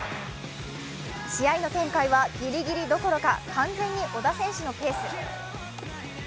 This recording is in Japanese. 試合の展開はギリギリどころか完全に小田選手のペース。